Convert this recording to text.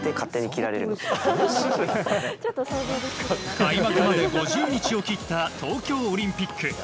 開幕まで５０日を切った東京オリンピック。